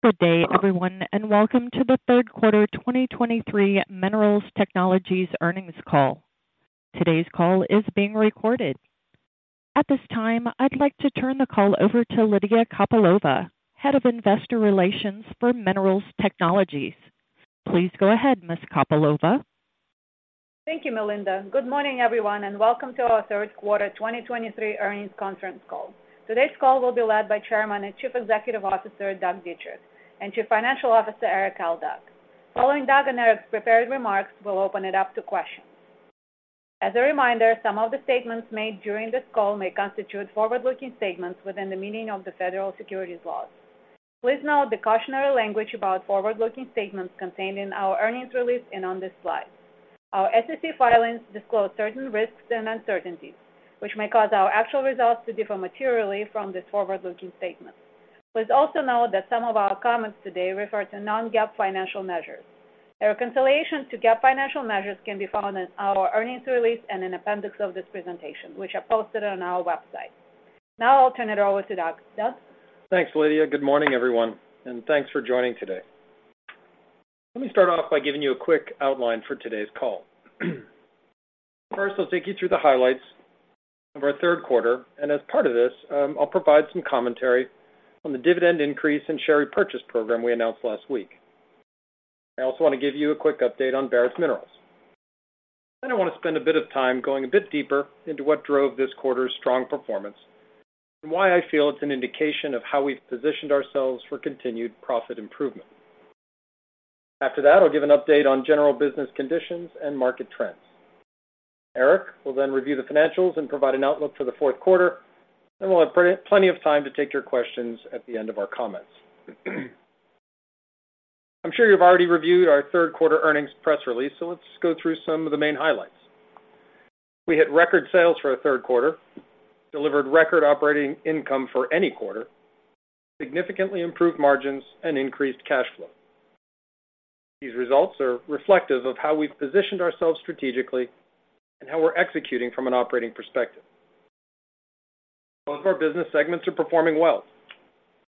Good day, everyone, and welcome to the third quarter 2023 Minerals Technologies earnings call. Today's call is being recorded. At this time, I'd like to turn the call over to Lydia Kopylova, Head of Investor Relations for Minerals Technologies. Please go ahead, Ms. Kopylova. Thank you, Melinda. Good morning, everyone, and welcome to our third quarter 2023 earnings conference call. Today's call will be led by Chairman and Chief Executive Officer, Doug Dietrich, and Chief Financial Officer, Erik Aldag. Following Doug and Erik's prepared remarks, we'll open it up to questions. As a reminder, some of the statements made during this call may constitute forward-looking statements within the meaning of the federal securities laws. Please note the cautionary language about forward-looking statements contained in our earnings release and on this slide. Our SEC filings disclose certain risks and uncertainties, which may cause our actual results to differ materially from this forward-looking statement. Please also note that some of our comments today refer to non-GAAP financial measures. The reconciliation to GAAP financial measures can be found in our earnings release and in appendix of this presentation, which are posted on our website. Now I'll turn it over to Doug. Doug? Thanks, Lydia. Good morning, everyone, and thanks for joining today. Let me start off by giving you a quick outline for today's call. First, I'll take you through the highlights of our third quarter, and as part of this, I'll provide some commentary on the dividend increase and share repurchase program we announced last week. I also want to give you a quick update on Barretts Minerals. Then I want to spend a bit of time going a bit deeper into what drove this quarter's strong performance and why I feel it's an indication of how we've positioned ourselves for continued profit improvement. After that, I'll give an update on general business conditions and market trends. Erik will then review the financials and provide an outlook for the fourth quarter, and we'll have plenty of time to take your questions at the end of our comments. I'm sure you've already reviewed our third quarter earnings press release, so let's go through some of the main highlights. We hit record sales for a third quarter, delivered record operating income for any quarter, significantly improved margins and increased cash flow. These results are reflective of how we've positioned ourselves strategically and how we're executing from an operating perspective. Both of our business segments are performing well.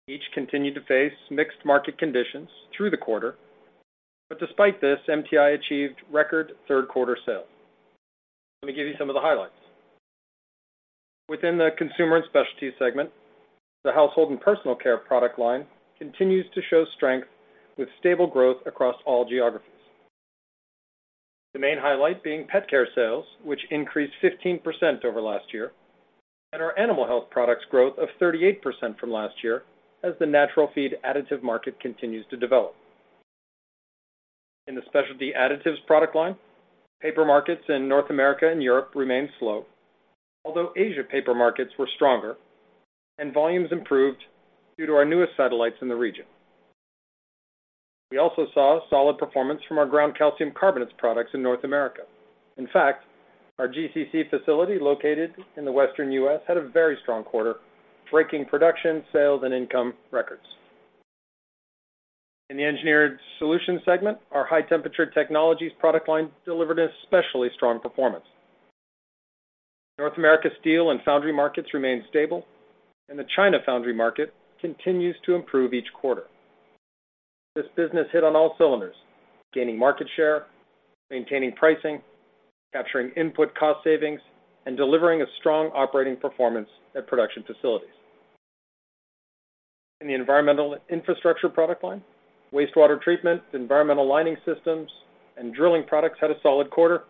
Each continued to face mixed market conditions through the quarter, but despite this, MTI achieved record third-quarter sales. Let me give you some of the highlights. Within the Consumer & Specialties segment, the Household & Personal Care product line continues to show strength with stable growth across all geographies. The main highlight being pet care sales, which increased 15% over last year, and our animal health products growth of 38% from last year, as the natural feed additive market continues to develop. In the Specialty Additives product line, paper markets in North America and Europe remained slow, although Asia paper markets were stronger and volumes improved due to our newest satellites in the region. We also saw a solid performance from our ground calcium carbonates products in North America. In fact, our GCC facility, located in the Western U.S., had a very strong quarter, breaking production, sales, and income records. In the Engineered Solutions segment, our High Temperature Technologies product line delivered an especially strong performance. North America steel and foundry markets remained stable, and the China foundry market continues to improve each quarter. This business hit on all cylinders, gaining market share, maintaining pricing, capturing input cost savings, and delivering a strong operating performance at production facilities. In the Environmental Infrastructure product line, wastewater treatment, environmental lining systems, and drilling products had a solid quarter,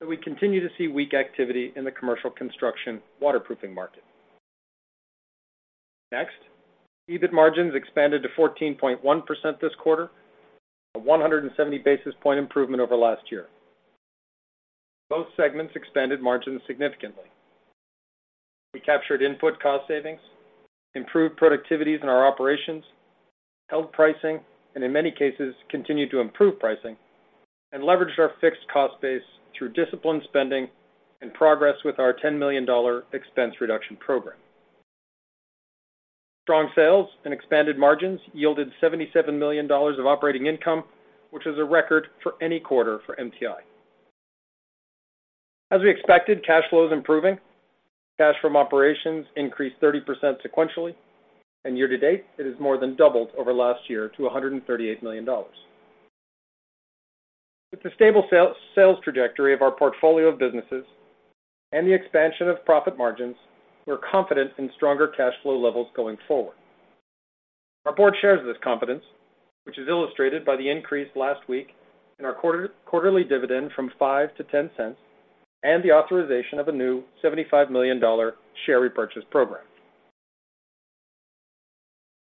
but we continue to see weak activity in the commercial construction waterproofing market. Next, EBIT margins expanded to 14.1% this quarter, a 170 basis point improvement over last year. Both segments expanded margins significantly. We captured input cost savings, improved productivities in our operations, held pricing, and in many cases, continued to improve pricing and leveraged our fixed cost base through disciplined spending and progress with our $10 million expense reduction program. Strong sales and expanded margins yielded $77 million of operating income, which is a record for any quarter for MTI. As we expected, cash flow is improving. Cash from operations increased 30% sequentially, and year to date, it has more than doubled over last year to $138 million. With the stable sales trajectory of our portfolio of businesses and the expansion of profit margins, we're confident in stronger cash flow levels going forward. Our board shares this confidence, which is illustrated by the increase last week in our quarterly dividend from $0.05 to $0.10 and the authorization of a new $75 million share repurchase program.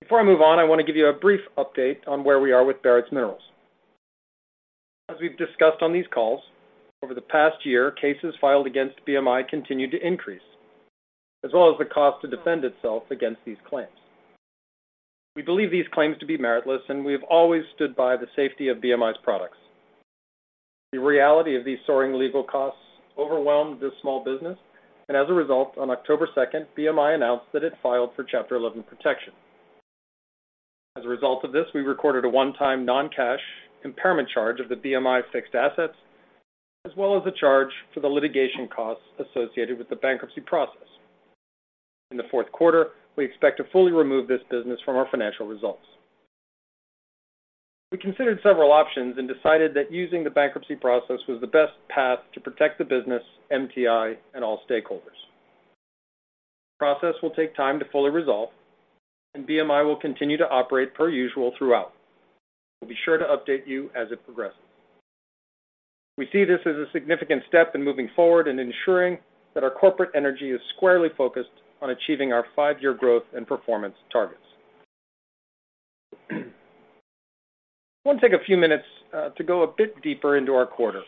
Before I move on, I want to give you a brief update on where we are with Barretts Minerals. As we've discussed on these calls, over the past year, cases filed against BMI continued to increase, as well as the cost to defend itself against these claims. We believe these claims to be meritless, and we have always stood by the safety of BMI's products. The reality of these soaring legal costs overwhelmed this small business, and as a result, on October 2, BMI announced that it filed for Chapter 11 protection. As a result of this, we recorded a one-time non-cash impairment charge of the BMI fixed assets as well as the charge for the litigation costs associated with the bankruptcy process. In the fourth quarter, we expect to fully remove this business from our financial results. We considered several options and decided that using the bankruptcy process was the best path to protect the business, MTI, and all stakeholders. The process will take time to fully resolve, and BMI will continue to operate per usual throughout. We'll be sure to update you as it progresses. We see this as a significant step in moving forward and ensuring that our corporate energy is squarely focused on achieving our five-year growth and performance targets. I want to take a few minutes to go a bit deeper into our quarter.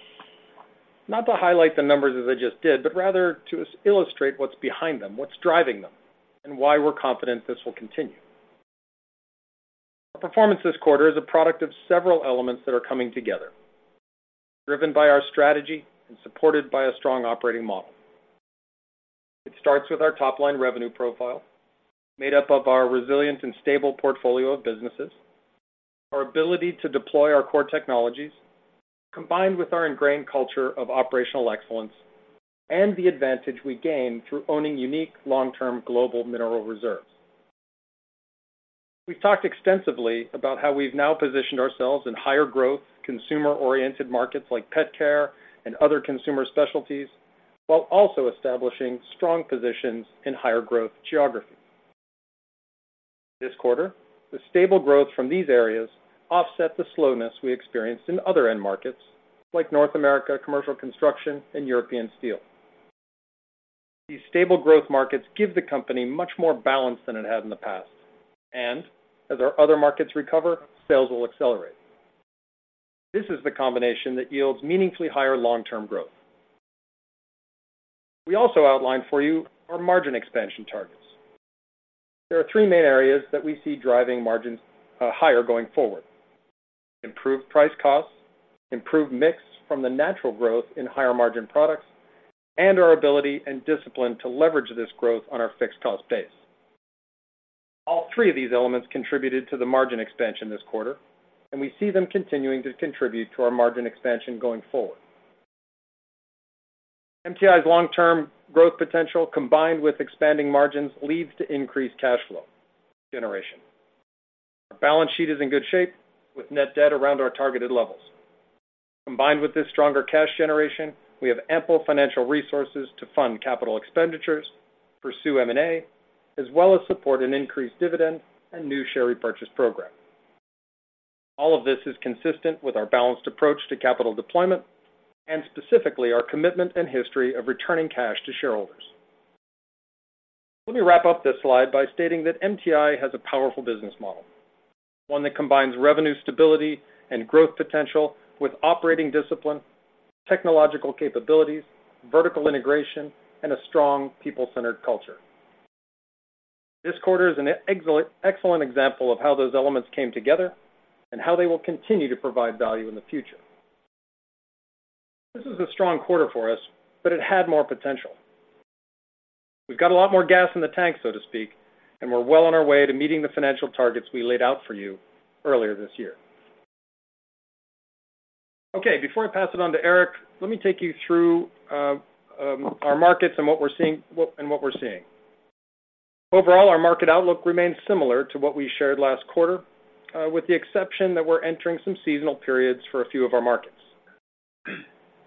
Not to highlight the numbers as I just did, but rather to illustrate what's behind them, what's driving them, and why we're confident this will continue. Our performance this quarter is a product of several elements that are coming together, driven by our strategy and supported by a strong operating model. It starts with our top-line revenue profile, made up of our resilient and stable portfolio of businesses, our ability to deploy our core technologies, combined with our ingrained culture of operational excellence, and the advantage we gain through owning unique long-term global mineral reserves. We've talked extensively about how we've now positioned ourselves in higher growth, consumer-oriented markets like pet care and other consumer specialties, while also establishing strong positions in higher growth geographies. This quarter, the stable growth from these areas offset the slowness we experienced in other end markets, like North America, commercial construction, and European steel. These stable growth markets give the company much more balance than it had in the past, and as our other markets recover, sales will accelerate. This is the combination that yields meaningfully higher long-term growth. We also outlined for you our margin expansion targets. There are three main areas that we see driving margins higher going forward: improved price costs, improved mix from the natural growth in higher-margin products, and our ability and discipline to leverage this growth on our fixed cost base. All three of these elements contributed to the margin expansion this quarter, and we see them continuing to contribute to our margin expansion going forward. MTI's long-term growth potential, combined with expanding margins, leads to increased cash flow generation. Our balance sheet is in good shape, with net debt around our targeted levels. Combined with this stronger cash generation, we have ample financial resources to fund capital expenditures, pursue M&A, as well as support an increased dividend and new share repurchase program. All of this is consistent with our balanced approach to capital deployment, and specifically, our commitment and history of returning cash to shareholders. Let me wrap up this slide by stating that MTI has a powerful business model, one that combines revenue stability and growth potential with operating discipline, technological capabilities, vertical integration, and a strong people-centered culture. This quarter is an excellent example of how those elements came together and how they will continue to provide value in the future. This is a strong quarter for us, but it had more potential. We've got a lot more gas in the tank, so to speak, and we're well on our way to meeting the financial targets we laid out for you earlier this year. Okay, before I pass it on to Erik, let me take you through our markets and what we're seeing. Overall, our market outlook remains similar to what we shared last quarter, with the exception that we're entering some seasonal periods for a few of our markets.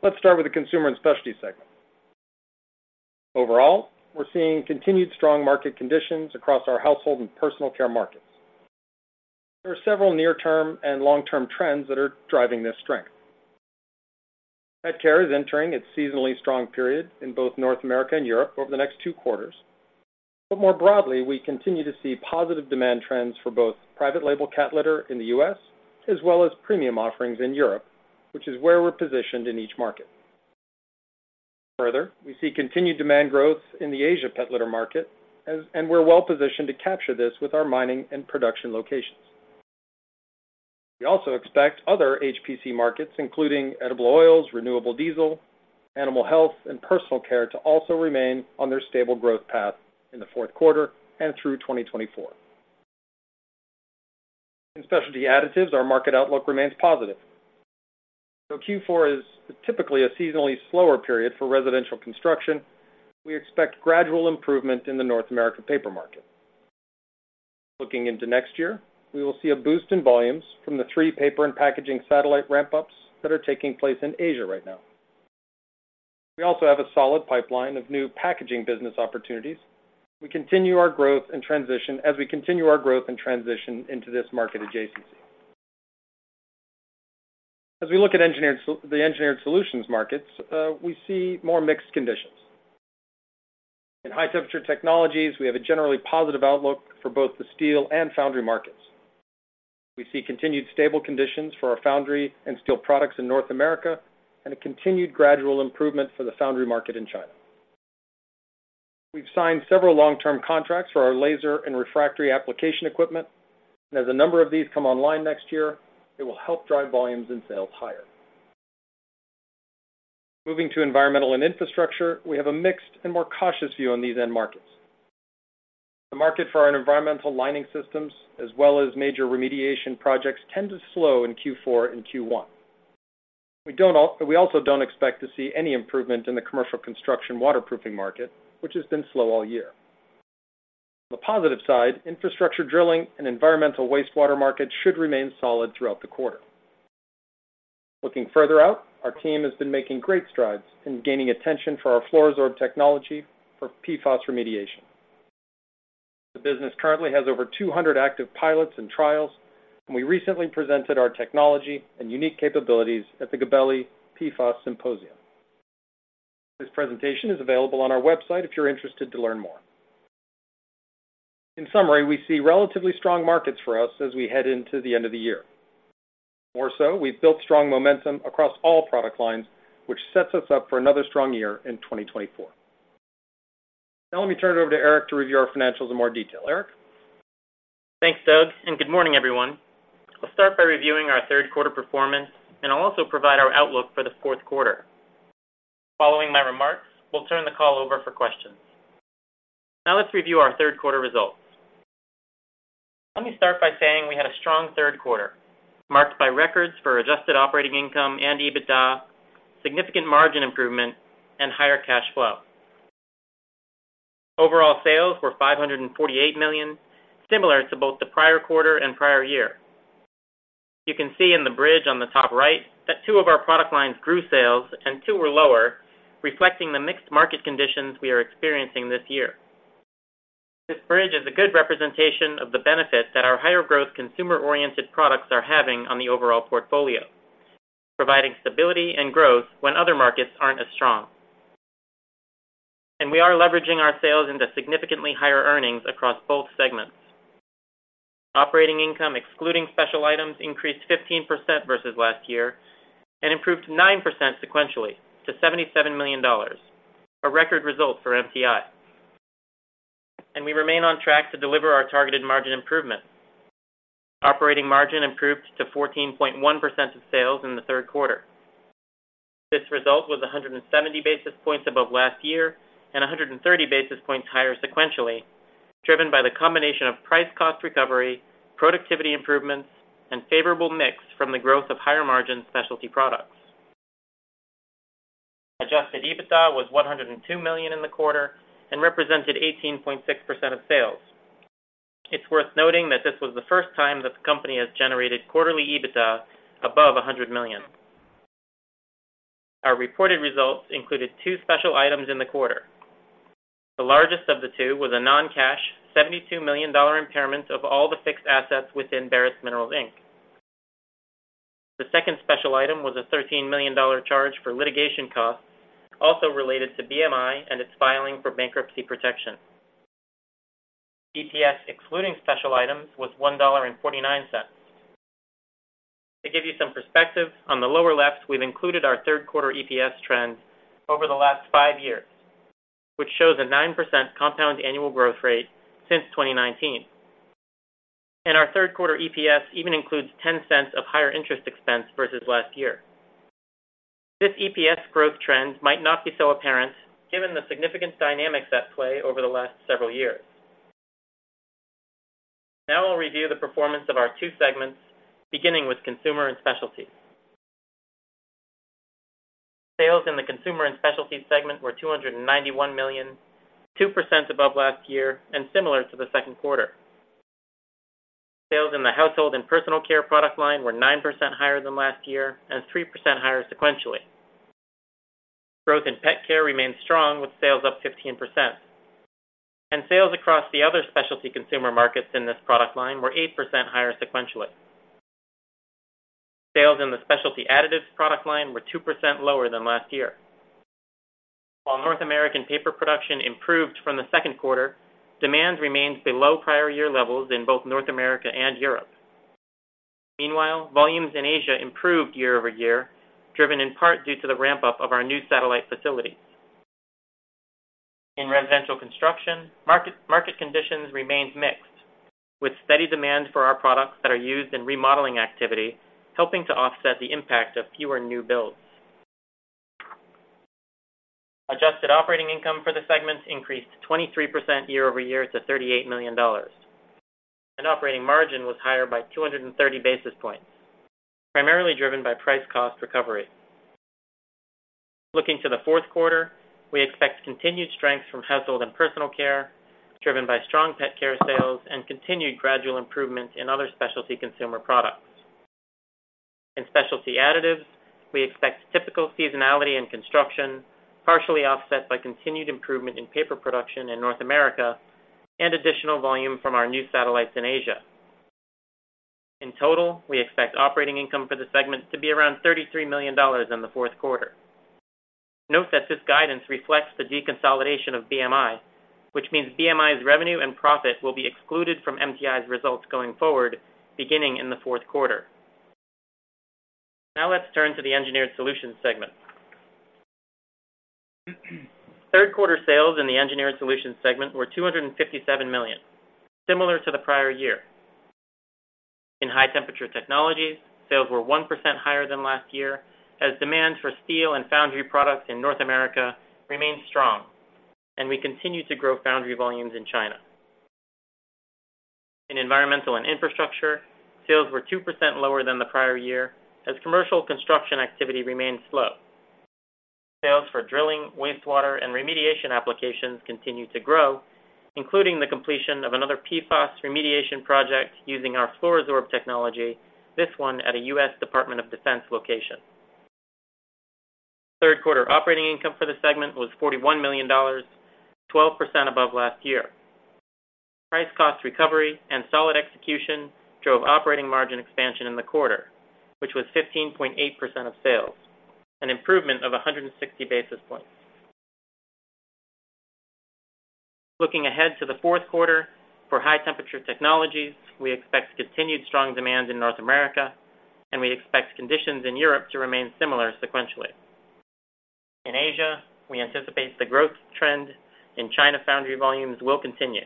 Let's start with the consumer and specialty segment. Overall, we're seeing continued strong market conditions across our Household & Personal Care markets. There are several near-term and long-term trends that are driving this strength. Pet care is entering its seasonally strong period in both North America and Europe over the next two quarters. But more broadly, we continue to see positive demand trends for both private label cat litter in the U.S., as well as premium offerings in Europe, which is where we're positioned in each market. Further, we see continued demand growth in the Asia pet litter market, as and we're well-positioned to capture this with our mining and production locations. We also expect other HPC markets, including edible oils, renewable diesel, animal health, and personal care, to also remain on their stable growth path in the fourth quarter and through 2024. In Specialty Additives, our market outlook remains positive. So Q4 is typically a seasonally slower period for residential construction. We expect gradual improvement in the North American paper market. Looking into next year, we will see a boost in volumes from the three paper and packaging satellite ramp-ups that are taking place in Asia right now. We also have a solid pipeline of new packaging business opportunities. We continue our growth and transition into this market adjacency. As we look at the Engineered Solutions markets, we see more mixed conditions. In High Temperature Technologies, we have a generally positive outlook for both the steel and foundry markets. We see continued stable conditions for our foundry and steel products in North America, and a continued gradual improvement for the foundry market in China. We've signed several long-term contracts for our laser and refractory application equipment. As a number of these come online next year, it will help drive volumes and sales higher. Moving to Environmental & Infrastructure, we have a mixed and more cautious view on these end markets. The market for our environmental lining systems, as well as major remediation projects, tend to slow in Q4 and Q1. We also don't expect to see any improvement in the commercial construction waterproofing market, which has been slow all year. On the positive side, infrastructure drilling and environmental wastewater markets should remain solid throughout the quarter. Looking further out, our team has been making great strides in gaining attention for our FLUORO-SORB technology for PFAS remediation. The business currently has over 200 active pilots and trials, and we recently presented our technology and unique capabilities at the Gabelli PFAS Symposium. This presentation is available on our website if you're interested to learn more. In summary, we see relatively strong markets for us as we head into the end of the year. More so, we've built strong momentum across all product lines, which sets us up for another strong year in 2024. Now let me turn it over to Erik to review our financials in more detail. Eric? Thanks, Doug, and good morning, everyone. I'll start by reviewing our third quarter performance, and I'll also provide our outlook for the fourth quarter. Following my remarks, we'll turn the call over for questions. Now let's review our third quarter results. Let me start by saying we had a strong third quarter, marked by records for adjusted operating income and EBITDA, significant margin improvement, and higher cash flow. Overall sales were $548 million, similar to both the prior quarter and prior year. You can see in the bridge on the top right that two of our product lines grew sales and two were lower, reflecting the mixed market conditions we are experiencing this year. This bridge is a good representation of the benefit that our higher growth consumer-oriented products are having on the overall portfolio, providing stability and growth when other markets aren't as strong. We are leveraging our sales into significantly higher earnings across both segments. Operating income, excluding special items, increased 15% versus last year and improved 9% sequentially to $77 million, a record result for MTI. We remain on track to deliver our targeted margin improvement. Operating margin improved to 14.1% of sales in the third quarter. This result was 170 basis points above last year, and 130 basis points higher sequentially, driven by the combination of price cost recovery, productivity improvements, and favorable mix from the growth of higher-margin specialty products. Adjusted EBITDA was $102 million in the quarter and represented 18.6% of sales. It's worth noting that this was the first time that the company has generated quarterly EBITDA above $100 million. Our reported results included two special items in the quarter. The largest of the two was a non-cash $72 million impairment of all the fixed assets within Barretts Minerals Inc. The second special item was a $13 million charge for litigation costs, also related to BMI and its filing for bankruptcy protection. EPS, excluding special items, was $1.49. To give you some perspective, on the lower left, we've included our third quarter EPS trend over the last five years, which shows a 9% compound annual growth rate since 2019. Our third quarter EPS even includes 10 cents of higher interest expense versus last year. This EPS growth trend might not be so apparent given the significant dynamics at play over the last several years. Now I'll review the performance of our two segments, beginning with Consumer & Specialties. Sales in the Consumer & Specialties segment were $291 million, 2% above last year and similar to the second quarter. Sales in the Household & Personal Care product line were 9% higher than last year and 3% higher sequentially. Growth in pet care remains strong, with sales up 15%, and sales across the other specialty consumer markets in this product line were 8% higher sequentially. Sales in the Specialty Additives product line were 2% lower than last year. While North American paper production improved from the second quarter, demand remains below prior year levels in both North America and Europe. Meanwhile, volumes in Asia improved year-over-year, driven in part due to the ramp-up of our new satellite facility. In residential construction market conditions remained mixed, with steady demand for our products that are used in remodeling activity, helping to offset the impact of fewer new builds. Adjusted operating income for the segment increased 23% year-over-year to $38 million, and operating margin was higher by 230 basis points, primarily driven by price cost recovery. Looking to the fourth quarter, we expect continued strength from Household & Personal Care, driven by strong pet care sales and continued gradual improvement in other specialty consumer products. In Specialty Additives, we expect typical seasonality and construction, partially offset by continued improvement in paper production in North America and additional volume from our new satellites in Asia. In total, we expect operating income for the segment to be around $33 million in the fourth quarter. Note that this guidance reflects the deconsolidation of BMI, which means BMI's revenue and profit will be excluded from MTI's results going forward, beginning in the fourth quarter. Now let's turn to the Engineered Solutions segment. Third quarter sales in the Engineered Solutions segment were $257 million, similar to the prior year. In high temperature technologies, sales were 1% higher than last year, as demand for steel and foundry products in North America remained strong, and we continued to grow foundry volumes in China. In Environmental & Infrastructure, sales were 2% lower than the prior year as commercial construction activity remained slow. Sales for drilling, wastewater, and remediation applications continued to grow, including the completion of another PFAS remediation project using our FLUORO-SORB technology, this one at a U.S. Department of Defense location. Third quarter operating income for the segment was $41 million, 12% above last year. Price cost recovery and solid execution drove operating margin expansion in the quarter, which was 15.8% of sales, an improvement of 160 basis points. Looking ahead to the fourth quarter, for high temperature technologies, we expect continued strong demand in North America, and we expect conditions in Europe to remain similar sequentially. In Asia, we anticipate the growth trend in China foundry volumes will continue.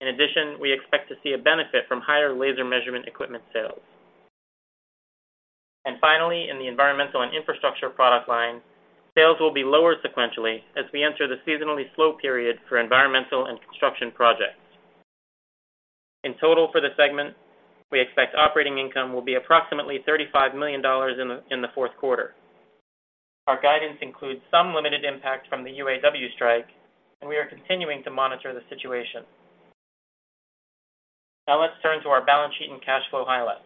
In addition, we expect to see a benefit from higher laser measurement equipment sales. And finally, in the Environmental & Infrastructure product line, sales will be lower sequentially as we enter the seasonally slow period for environmental and construction projects. In total, for the segment, we expect operating income will be approximately $35 million in the fourth quarter. Our guidance includes some limited impact from the UAW strike, and we are continuing to monitor the situation. Now let's turn to our balance sheet and cash flow highlights.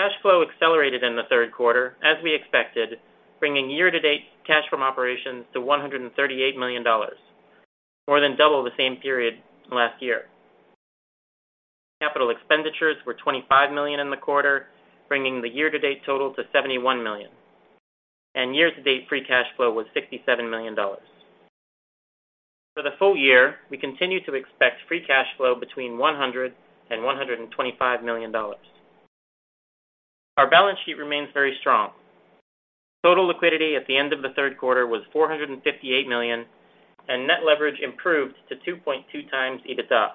Cash flow accelerated in the third quarter, as we expected, bringing year-to-date cash from operations to $138 million, more than double the same period last year. Capital expenditures were $25 million in the quarter, bringing the year-to-date total to $71 million, and year-to-date free cash flow was $67 million. For the full year, we continue to expect free cash flow between $100 and $125 million. Our balance sheet remains very strong. Total liquidity at the end of the third quarter was $458 million, and net leverage improved to 2.2x EBITDA.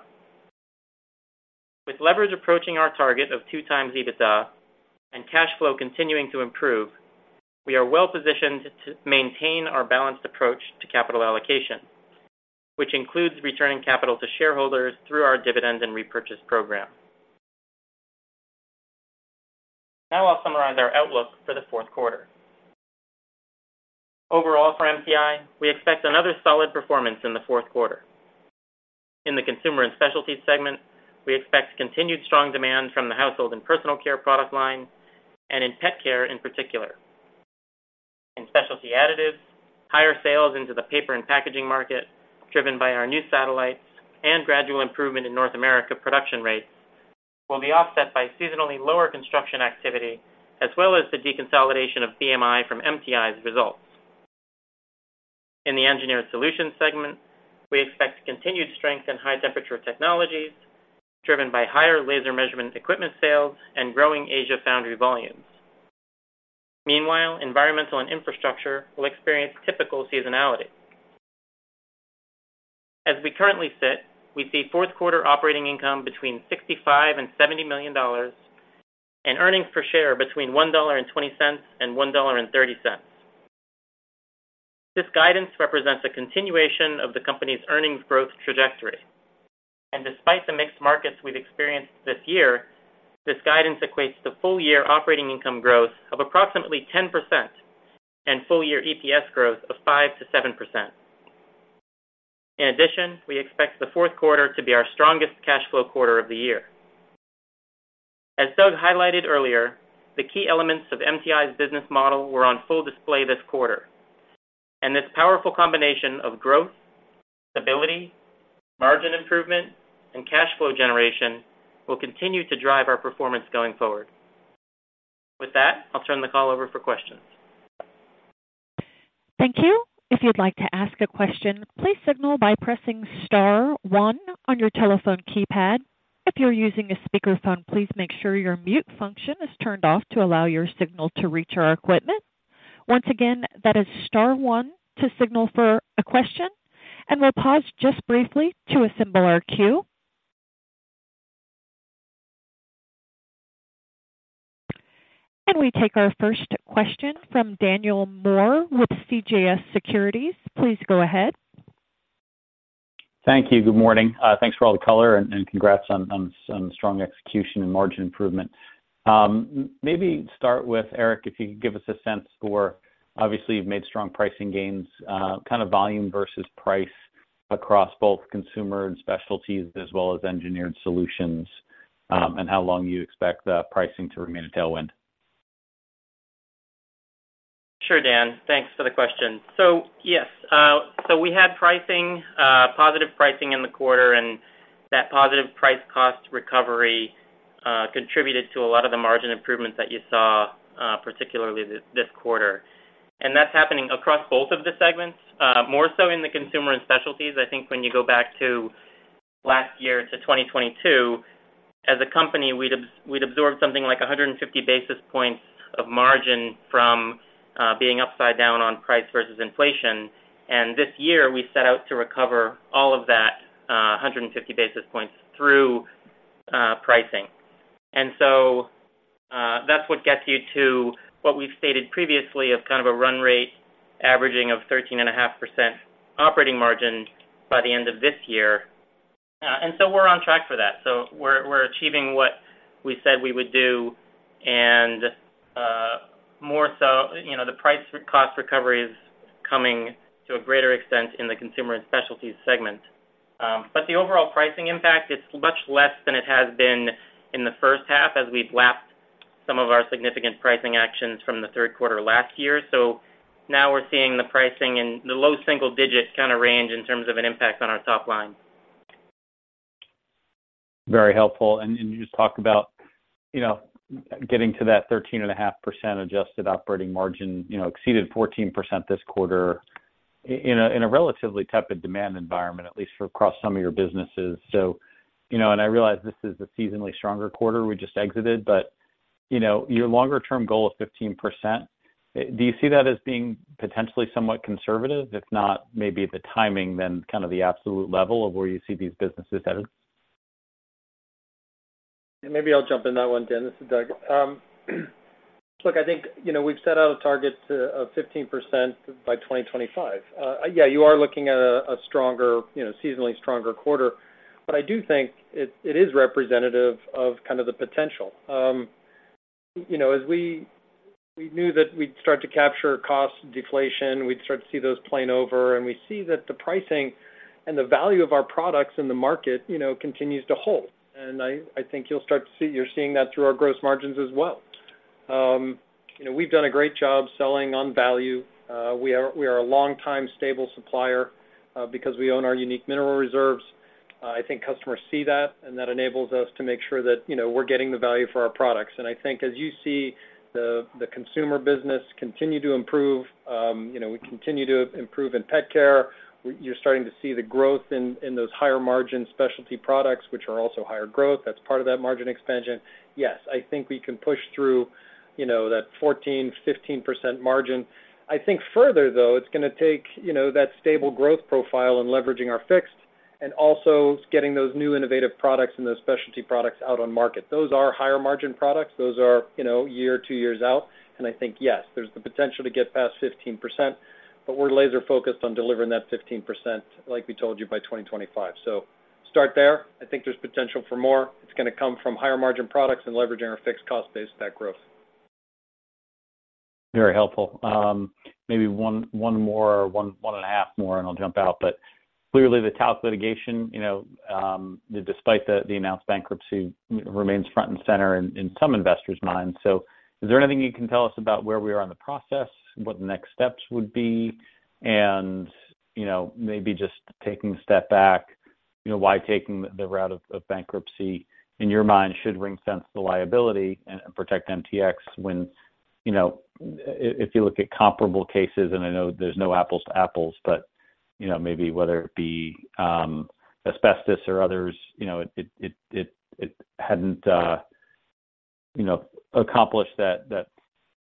With leverage approaching our target of 2x EBITDA and cash flow continuing to improve, we are well positioned to maintain our balanced approach to capital allocation, which includes returning capital to shareholders through our dividends and repurchase program. Now I'll summarize our outlook for the fourth quarter. Overall, for MTI, we expect another solid performance in the fourth quarter. In the Consumer & Specialties segment, we expect continued strong demand from the Household & Personal Care product line, and in pet care in particular. In Specialty Additives, higher sales into the paper and packaging market, driven by our new satellites and gradual improvement in North America production rates, will be offset by seasonally lower construction activity, as well as the deconsolidation of BMI from MTI's results. In the engineered solutions segment, we expect continued strength in high temperature technologies, driven by higher laser measurement equipment sales and growing Asia foundry volumes. Meanwhile, Environmental & Infrastructure will experience typical seasonality. As we currently sit, we see fourth quarter operating income between $65 million and $70 million, and earnings per share between $1.20 and $1.30. This guidance represents a continuation of the company's earnings growth trajectory, and despite the mixed markets we've experienced this year, this guidance equates to full-year operating income growth of approximately 10% and full-year EPS growth of 5%-7%. In addition, we expect the fourth quarter to be our strongest cash flow quarter of the year. As Doug highlighted earlier, the key elements of MTI's business model were on full display this quarter, and this powerful combination of growth, stability, margin improvement, and cash flow generation will continue to drive our performance going forward. With that, I'll turn the call over for questions. Thank you. If you'd like to ask a question, please signal by pressing star one on your telephone keypad. If you're using a speakerphone, please make sure your mute function is turned off to allow your signal to reach our equipment. Once again, that is star one to signal for a question, and we'll pause just briefly to assemble our queue. We take our first question from Daniel Moore with CJS Securities. Please go ahead. Thank you. Good morning. Thanks for all the color, and congrats on some strong execution and margin improvement. Maybe start with Erik, if you could give us a sense for... Obviously, you've made strong pricing gains, kind of volume versus price across both Consumer & Specialties, as well as Engineered Solutions, and how long you expect the pricing to remain a tailwind. Sure, Dan. Thanks for the question. So, yes, so we had pricing, positive pricing in the quarter, and that positive price cost recovery contributed to a lot of the margin improvements that you saw, particularly this, this quarter. And that's happening across both of the segments, more so in the Consumer & Specialties. I think when you go back to last year, to 2022, company, we'd absorbed something like 150 basis points of margin from being upside down on price versus inflation. And this year, we set out to recover all of that 150 basis points through pricing. And so, that's what gets you to what we've stated previously of kind of a run rate averaging of 13.5% operating margin by the end of this year. And so we're on track for that. So we're achieving what we said we would do, and more so the price cost recovery is coming to a greater extent in the Consumer & Specialties segment. But the overall pricing impact is much less than it has been in the first half as we've lapped some of our significant pricing actions from the third quarter last year. So now we're seeing the pricing in the low single digits kind of range in terms of an impact on our top line. Very helpful. And you just talked about getting to that 13.5% adjusted operating margin exceeded 14% this quarter in a, in a relatively tepid demand environment, at least across some of your businesses. so and I realize this is a seasonally stronger quarter we just exited, but your longer term goal of 15%, do you see that as being potentially somewhat conservative? If not, maybe the timing, then kind of the absolute level of where you see these businesses headed? Maybe I'll jump in that one, Dan. This is Doug. Look, I think we've set out a target to of 15% by 2025. Yeah, you are looking at a stronger seasonally stronger quarter, but I do think it is representative of kind of the potential. You know, as we knew that we'd start to capture cost deflation, we'd start to see those playing over, and we see that the pricing and the value of our products in the market continues to hold. And I think you'll start to see you're seeing that through our gross margins as well. You know, we've done a great job selling on value. We are a long-time stable supplier because we own our unique mineral reserves. I think customers see that, and that enables us to make sure that we're getting the value for our products. And I think as you see the consumer business continue to improve we continue to improve in pet care. You're starting to see the growth in those higher margin specialty products, which are also higher growth. That's part of that margin expansion. Yes, I think we can push through that 14%-15% margin. I think further, though, it's gonna take that stable growth profile and leveraging our fixed, and also getting those new innovative products and those specialty products out on market. Those are higher margin products. Those are year, two years out. I think, yes, there's the potential to get past 15%, but we're laser focused on delivering that 15%, like we told you, by 2025. So start there. I think there's potential for more. It's gonna come from higher margin products and leveraging our fixed cost base, that growth. Very helpful. Maybe one more or one and a half more, and I'll jump out. But clearly, the talc litigation despite the announced bankruptcy, remains front and center in some investors' minds. So is there anything you can tell us about where we are in the process, what the next steps would be? and maybe just taking a step back why taking the route of bankruptcy, in your mind, should ring fence the liability and protect MTX when if you look at comparable cases, and I know there's no apples to apples, but maybe whether it be asbestos or others it hadn't accomplished that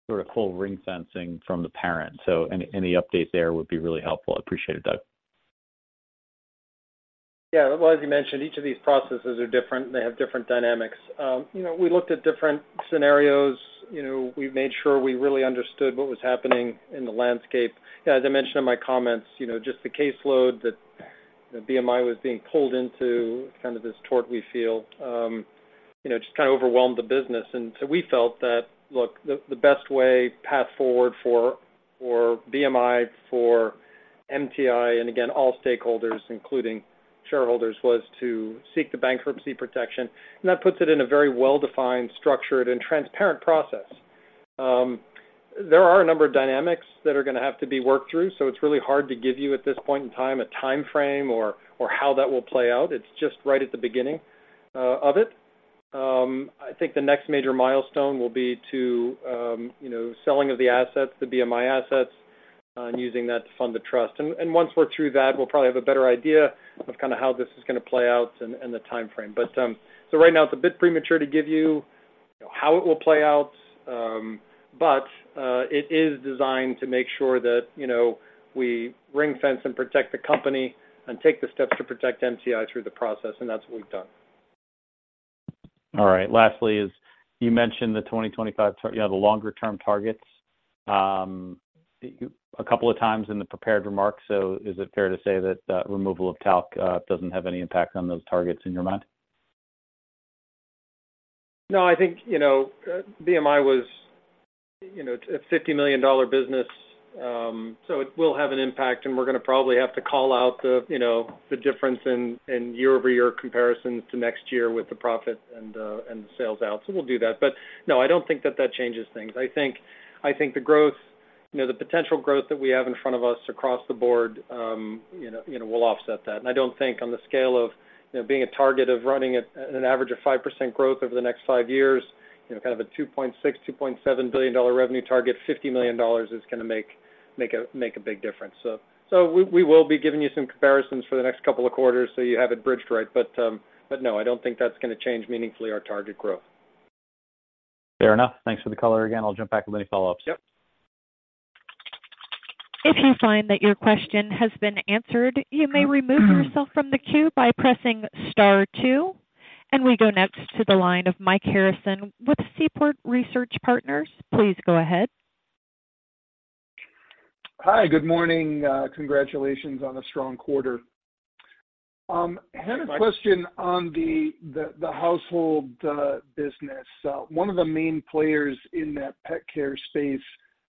sort of full ring fencing from the parent. So any update there would be really helpful. I appreciate it, Doug. Yeah. Well, as you mentioned, each of these processes are different, and they have different dynamics. You know, we looked at different scenarios. You know, we made sure we really understood what was happening in the landscape. As I mentioned in my comments just the caseload that BMI was being pulled into, kind of this tort we feel just kind of overwhelmed the business. And so we felt that, look, the best way path forward for BMI, for MTI, and again, all stakeholders, including shareholders, was to seek the bankruptcy protection, and that puts it in a very well-defined, structured, and transparent process. There are a number of dynamics that are gonna have to be worked through, so it's really hard to give you, at this point in time, a timeframe or how that will play out. It's just right at the beginning of it. I think the next major milestone will be to selling of the assets, the BMI assets, and using that to fund the trust. And once we're through that, we'll probably have a better idea of kind of how this is gonna play out and the timeframe. But so right now, it's a bit premature to give you how it will play out, but it is designed to make sure that we ring fence and protect the company and take the steps to protect MTI through the process, and that's what we've done. All right. Lastly is, you mentioned the 2025 the longer-term targets, a couple of times in the prepared remarks. So is it fair to say that, removal of talc, doesn't have any impact on those targets in your mind? No, I think BMI was a $50 million business, so it will have an impact, and we're gonna probably have to call out the the difference in, in year-over-year comparisons to next year with the profit and, and the sales out. So we'll do that. But no, I don't think that that changes things. I think, I think the growth the potential growth that we have in front of us across the know will offset that. And I don't think on the scale of being a target of running at an average of 5% growth over the next 5 years kind of a $2.6-$2.7 billion revenue target, $50 million is gonna make a big difference. So we will be giving you some comparisons for the next couple of quarters, so you have it bridged right. But no, I don't think that's gonna change meaningfully our target growth. Fair enough. Thanks for the color again. I'll jump back with any follow-ups. Yep. If you find that your question has been answered, you may remove yourself from the queue by pressing star two. We go next to the line of Mike Harrison with Seaport Research Partners. Please go ahead. Hi, good morning. Congratulations on a strong quarter. I had a question on the household business. One of the main players in that pet care space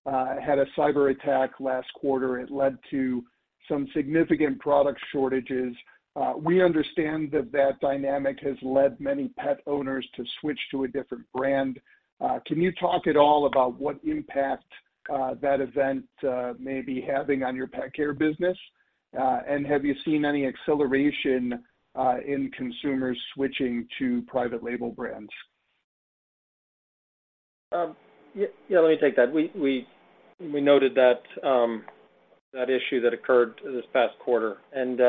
had a cyberattack last quarter. It led to some significant product shortages. We understand that that dynamic has led many pet owners to switch to a different brand. Can you talk at all about what impact that event may be having on your pet care business? And have you seen any acceleration in consumers switching to private label brands? Yeah, let me take that. We noted that that issue that occurred this past quarter, and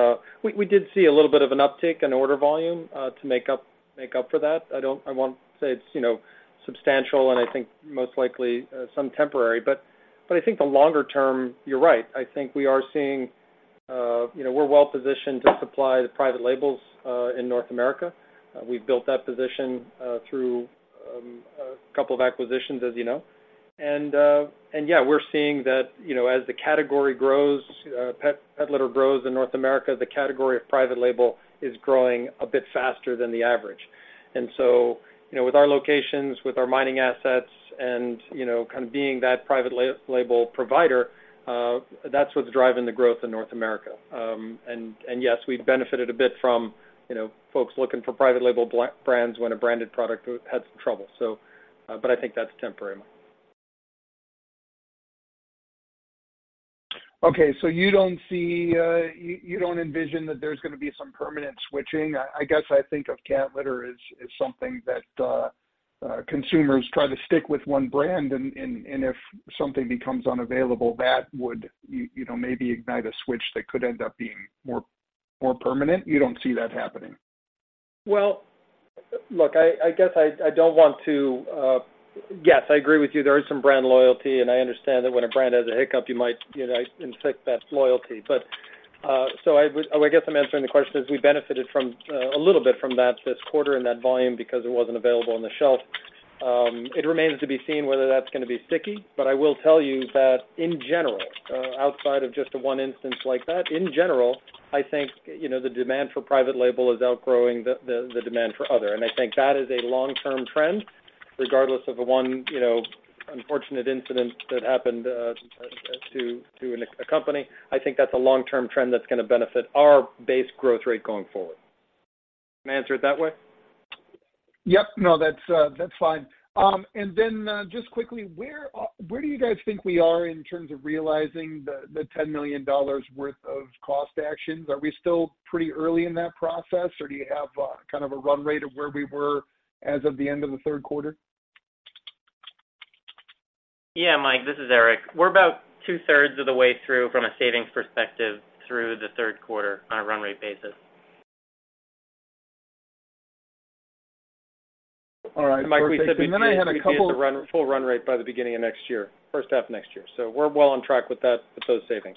we did see a little bit of an uptick in order volume to make up, make up for that. I don't—I won't say it's substantial, and I think most likely some temporary, but I think the longer term, you're right. I think we are seeing we're well positioned to supply the private labels in North America. We've built that position through a couple of acquisitions, as you know. And yeah, we're seeing that as the category grows, pet litter grows in North America, the category of private label is growing a bit faster than the average. so with our locations, with our mining assets and kind of being that private label provider, that's what's driving the growth in North America. And yes, we've benefited a bit from folks looking for private label brands when a branded product had some trouble. So, but I think that's temporary. Okay, so you don't see you don't envision that there's gonna be some permanent switching? I guess I think of cat litter as something that consumers try to stick with one brand, and if something becomes unavailable, that would maybe ignite a switch that could end up being more permanent. You don't see that happening? Well, look, I guess I don't want to... Yes, I agree with you. There is some brand loyalty, and I understand that when a brand has a hiccup, you might infect that loyalty. But, so I would—I guess I'm answering the question, is we benefited from a little bit from that this quarter in that volume because it wasn't available on the shelf. It remains to be seen whether that's gonna be sticky, but I will tell you that in general, outside of just the one instance like that, in general, I think the demand for private label is outgrowing the demand for other, and I think that is a long-term trend, regardless of the one unfortunate incident that happened to a company. I think that's a long-term trend that's gonna benefit our base growth rate going forward. Can I answer it that way? Yep. No, that's fine. And then, just quickly, where do you guys think we are in terms of realizing the $10 million worth of cost actions? Are we still pretty early in that process, or do you have kind of a run rate of where we were as of the end of the third quarter? Yeah, Mike, this is Eric. We're about two-thirds of the way through from a savings perspective, through the third quarter on a run rate basis. All right. Mike, we said we'd be at the full run rate by the beginning of next year, first half of next year. We're well on track with that, with those savings.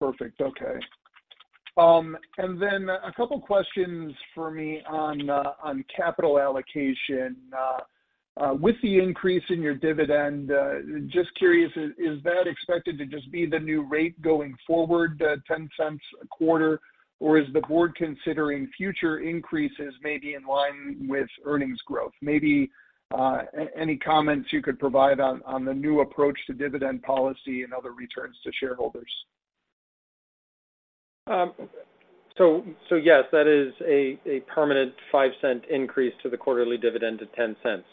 Perfect. Okay. And then a couple questions for me on, on capital allocation. With the increase in your dividend, just curious, is, is that expected to just be the new rate going forward, the $0.10 a quarter? Or is the board considering future increases, maybe in line with earnings growth? Maybe, any comments you could provide on, on the new approach to dividend policy and other returns to shareholders. So yes, that is a permanent 5-cent increase to the quarterly dividend to 10 cents.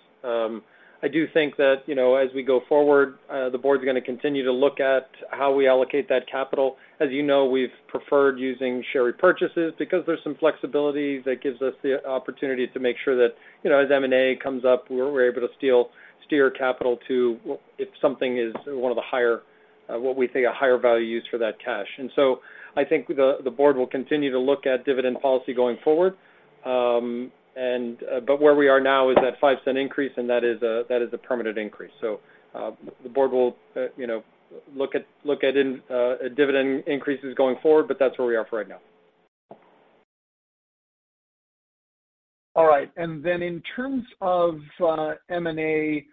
I do think that as we go forward, the board is gonna continue to look at how we allocate that capital. As you know, we've preferred using share repurchases because there's some flexibility that gives us the opportunity to make sure that as M&A comes up, we're able to steer capital to... if something is one of the higher, what we think, a higher value use for that cash. And so I think the board will continue to look at dividend policy going forward. But where we are now is that 5-cent increase, and that is a permanent increase. The board will look at dividend increases going forward, but that's where we are for right now. All right. Then in terms of M&A,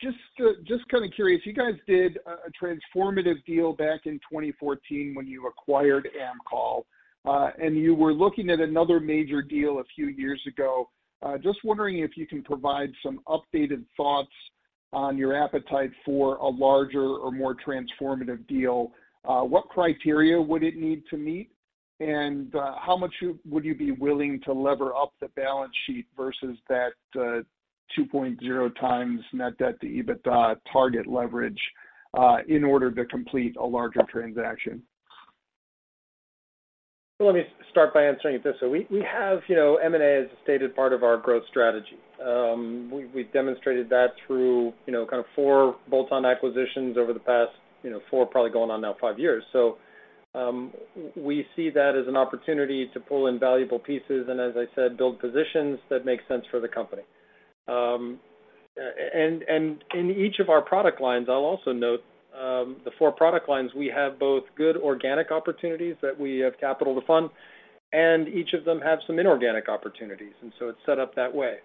just kind of curious, you guys did a transformative deal back in 2014 when you acquired AMCOL, and you were looking at another major deal a few years ago. Just wondering if you can provide some updated thoughts on your appetite for a larger or more transformative deal. What criteria would it need to meet? And how much would you be willing to lever up the balance sheet versus that 2.0 times net debt to EBITDA target leverage in order to complete a larger transaction? So let me start by answering it this way. We have M&A as a stated part of our growth strategy. We've demonstrated that through kind of 4 bolt-on acquisitions over the past 4, probably going on now 5 years. So, we see that as an opportunity to pull in valuable pieces, and as I said, build positions that make sense for the company. And in each of our product lines, I'll also note, the 4 product lines, we have both good organic opportunities that we have capital to fund, and each of them have some inorganic opportunities, and so it's set up that way.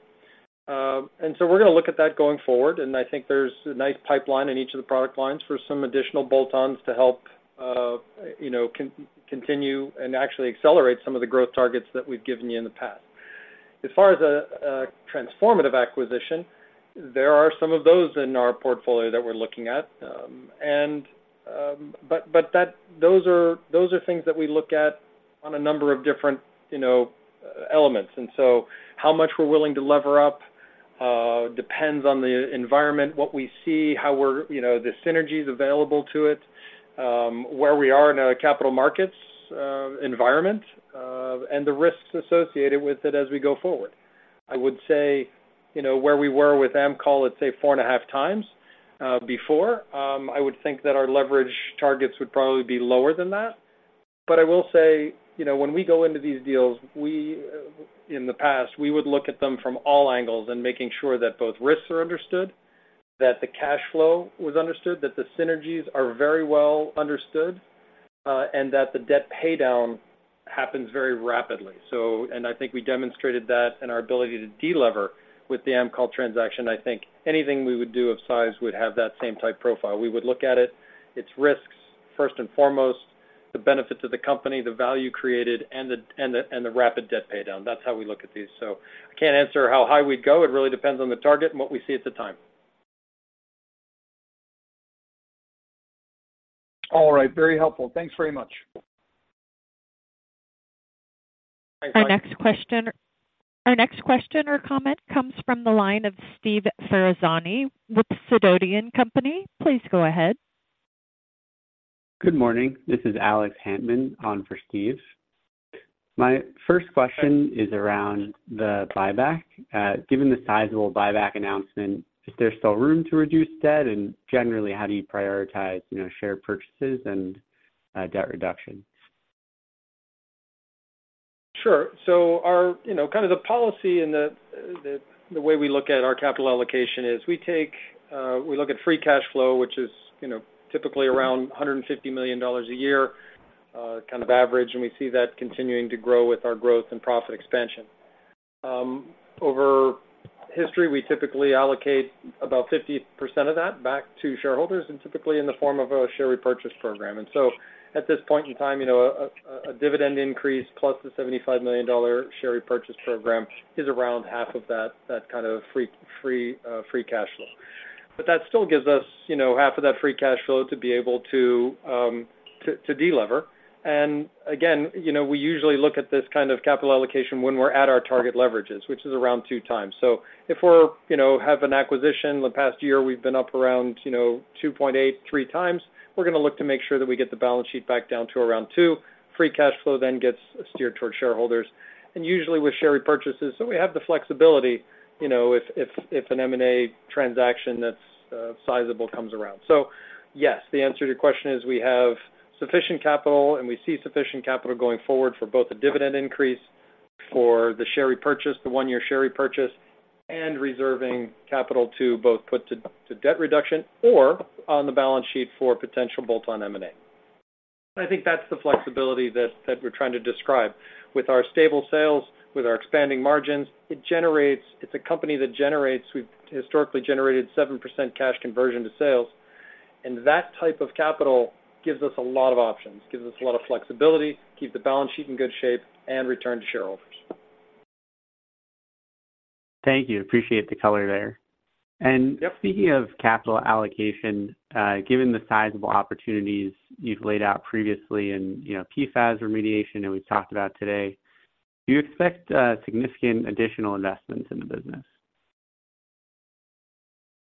And so we're gonna look at that going forward, and I think there's a nice pipeline in each of the product lines for some additional bolt-ons to help continue and actually accelerate some of the growth targets that we've given you in the past. As far as a transformative acquisition, there are some of those in our portfolio that we're looking at. And but that those are things that we look at on a number of different elements. And so how much we're willing to lever up depends on the environment, what we see, how we're the synergies available to it, where we are in our capital markets environment, and the risks associated with it as we go forward. I would say where we were with AMCOL, let's say 4.5x before. I would think that our leverage targets would probably be lower than that. But I will say when we go into these deals, we, in the past, we would look at them from all angles and making sure that both risks are understood, that the cash flow was understood, that the synergies are very well understood, and that the debt paydown happens very rapidly. So, and I think we demonstrated that in our ability to delever with the AMCOL transaction. I think anything we would do of size would have that same type profile. We would look at it, its risks, first and foremost, the benefit to the company, the value created, and the, and the, and the rapid debt paydown. That's how we look at these. I can't answer how high we'd go. It really depends on the target and what we see at the time. All right. Very helpful. Thanks very much. Our next question, our next question or comment comes from the line of Steve Ferrazzani with Sidoti & Company. Please go ahead. Good morning, this is Alex Hantman on for Steve. My first question is around the buyback. Given the sizable buyback announcement, is there still room to reduce debt? And generally, how do you prioritize share purchases and debt reduction? Sure. So our kind of the policy and the way we look at our capital allocation is we take, we look at free cash flow, which is typically around $150 million a year, kind of average, and we see that continuing to grow with our growth and profit expansion. Over history, we typically allocate about 50% of that back to shareholders and typically in the form of a share repurchase program. And so at this point in time a dividend increase plus the $75 million share repurchase program is around half of that free cash flow. But that still gives us half of that free cash flow to be able to delever. again we usually look at this kind of capital allocation when we're at our target leverages, which is around 2 times. So if we're have an acquisition, the past year, we've been up around 2.8, 3 times. We're gonna look to make sure that we get the balance sheet back down to around 2. Free cash flow then gets steered towards shareholders and usually with share repurchases, so we have the flexibility if an M&A transaction that's sizable comes around. So yes, the answer to your question is we have sufficient capital, and we see sufficient capital going forward for both the dividend increase, for the share repurchase, the one-year share repurchase, and reserving capital to both put to debt reduction or on the balance sheet for potential bolt-on M&A. I think that's the flexibility that, that we're trying to describe. With our stable sales, with our expanding margins, it generates—it's a company that generates... We've historically generated 7% cash conversion to sales, and that type of capital gives us a lot of options, gives us a lot of flexibility, keep the balance sheet in good shape, and return to shareholders. Thank you. Appreciate the color there. Yep. Speaking of capital allocation, given the sizable opportunities you've laid out previously and PFAS remediation, and we've talked about today, do you expect significant additional investments in the business?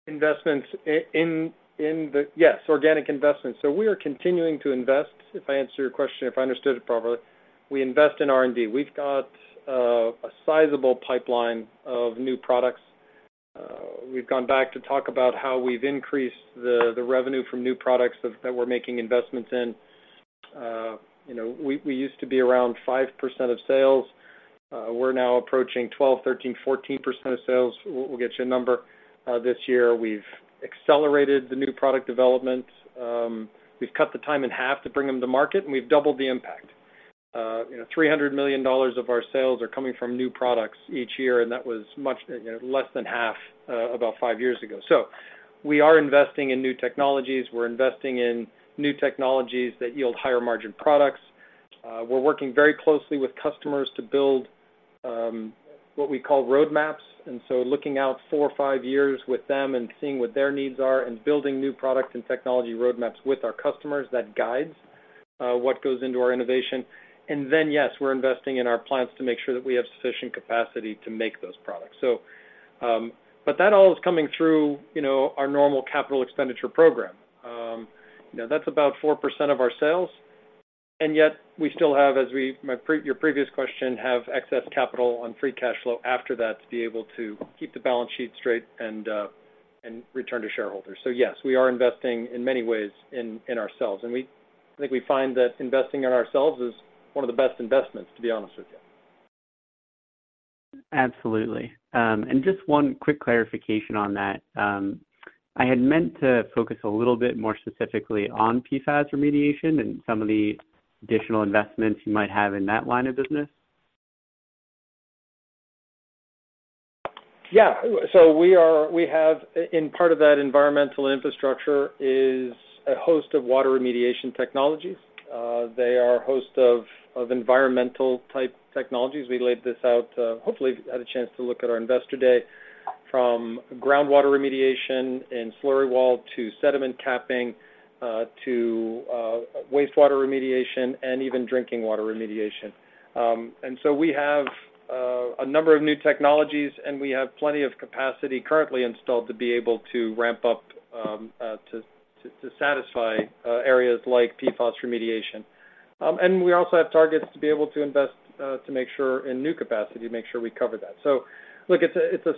Investments in, yes, organic investments. So we are continuing to invest. If I answer your question, if I understood it properly, we invest in R&D. We've got a sizable pipeline of new products. We've gone back to talk about how we've increased the revenue from new products that we're making investments in. You know, we used to be around 5% of sales. We're now approaching 12%, 13%, 14% of sales. We'll get you a number this year. We've accelerated the new product development. We've cut the time in half to bring them to market, and we've doubled the impact. $300 million of our sales are coming from new products each year, and that was much less than half about five years ago. So we are investing in new technologies. We're investing in new technologies that yield higher margin products. We're working very closely with customers to build what we call roadmaps. And so looking out four or five years with them and seeing what their needs are and building new product and technology roadmaps with our customers, that guides what goes into our innovation. And then, yes, we're investing in our plants to make sure that we have sufficient capacity to make those products. So, but that all is coming through our normal capital expenditure program. You know, that's about 4% of our sales, and yet we still have, as we—your previous question, have excess capital on free cash flow after that, to be able to keep the balance sheet straight and return to shareholders. So yes, we are investing in many ways in ourselves, and we—I think we find that investing in ourselves is one of the best investments, to be honest with you. Absolutely. Just one quick clarification on that. I had meant to focus a little bit more specifically on PFAS remediation and some of the additional investments you might have in that line of business. Yeah. So we are we have, in part of that Environmental Infrastructure, is a host of water remediation technologies. They are a host of environmental-type technologies. We laid this out, hopefully you've had a chance to look at our Investor Day, from groundwater remediation and slurry wall to sediment capping, to wastewater remediation and even drinking water remediation. And so we have a number of new technologies, and we have plenty of capacity currently installed to be able to ramp up to satisfy areas like PFAS remediation. And we also have targets to be able to invest to make sure in new capacity, make sure we cover that. So look, it's a, it's a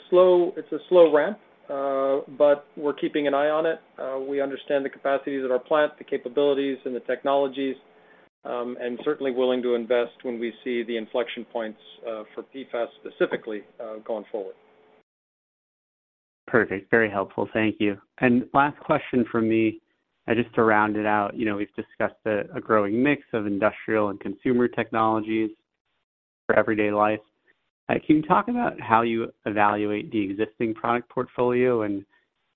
slow, but we're keeping an eye on it. We understand the capacities at our plant, the capabilities and the technologies, and certainly willing to invest when we see the inflection points for PFAS specifically going forward. Perfect. Very helpful. Thank you. Last question from me, just to round it out. You know, we've discussed a growing mix of industrial and consumer technologies for everyday life. Can you talk about how you evaluate the existing product portfolio and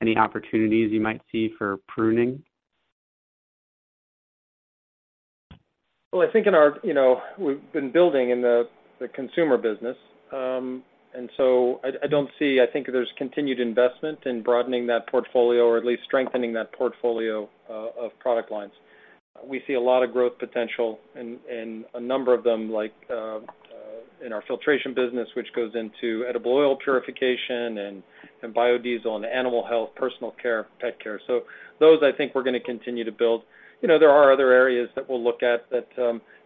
any opportunities you might see for pruning? Well, I think in our we've been building in the consumer business, and so I don't see. I think there's continued investment in broadening that portfolio or at least strengthening that portfolio of product lines. We see a lot of growth potential in a number of them, like in our filtration business, which goes into edible oil purification and biodiesel and animal health, personal care, pet care. So those, I think we're gonna continue to build. You know, there are other areas that we'll look at that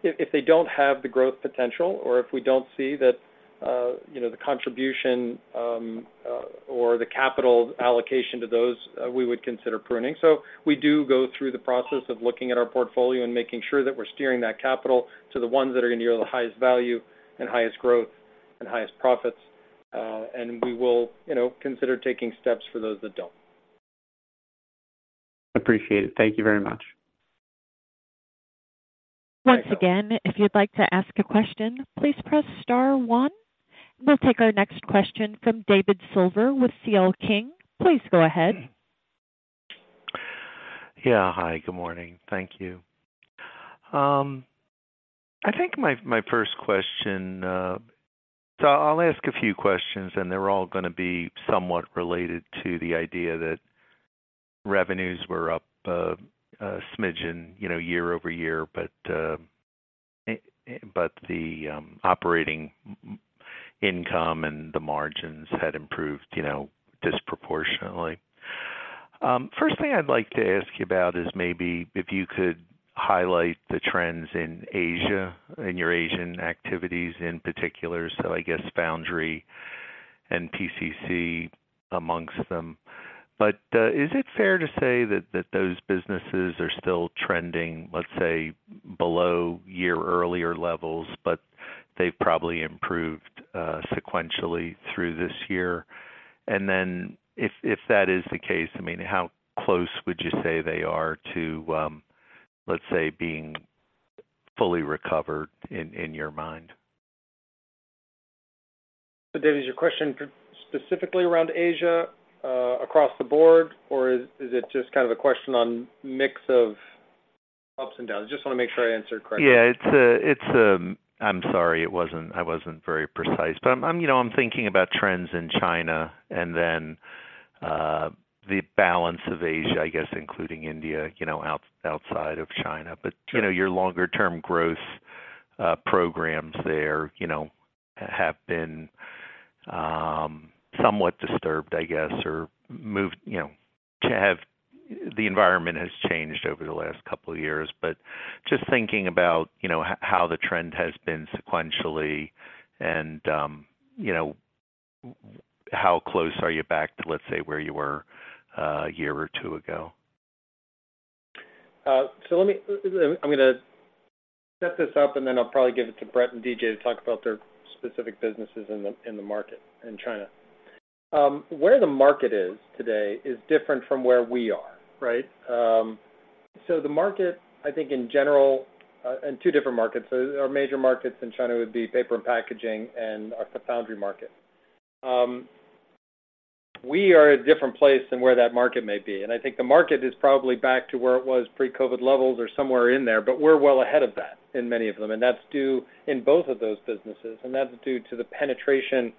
if they don't have the growth potential or if we don't see that you know, the contribution or the capital allocation to those, we would consider pruning. So we do go through the process of looking at our portfolio and making sure that we're steering that capital to the ones that are gonna yield the highest value and highest growth and highest profits. And we will consider taking steps for those that don't. Appreciate it. Thank you very much. Once again, if you'd like to ask a question, please press star one. We'll take our next question from David Silver with CL King. Please go ahead. Yeah. Hi, good morning. Thank you. I think my first question, so I'll ask a few questions, and they're all gonna be somewhat related to the idea that revenues were up a smidgen year-over-year, but the operating income and the margins had improved disproportionately. First thing I'd like to ask you about is maybe if you could highlight the trends in Asia, in your Asian activities in particular, so I guess foundry and PCC amongst them. But is it fair to say that those businesses are still trending, let's say, below year-earlier levels, but they've probably improved sequentially through this year? And then if that is the case, I mean, how close would you say they are to, let's say, being fully recovered in your mind? So David, is your question specifically around Asia, across the board, or is it just kind of a question on mix of ups and downs? I just want to make sure I answer correctly. Yeah, it's a... I'm sorry, it wasn't—I wasn't very precise. But i'm I'm thinking about trends in China and then the balance of Asia, I guess, including India outside of China. Sure. but your longer-term growth programs there have been somewhat disturbed, I guess, or moved the environment has changed over the last couple of years. But just thinking about how the trend has been sequentially and how close are you back to, let's say, where you were, a year or two ago? So let me. I'm gonna set this up, and then I'll probably give it to Brett and D.J. to talk about their specific businesses in the market in China. Where the market is today is different from where we are, right? So the market, I think in general, and two different markets. So our major markets in China would be paper and packaging and our foundry market. We are at a different place than where that market may be, and I think the market is probably back to where it was pre-COVID levels or somewhere in there, but we're well ahead of that in many of them, and that's due in both of those businesses, and that's due to the penetration